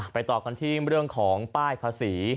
ต่อกันที่เรื่องของป้ายภาษี